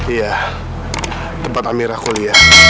iya tempat amira kuliah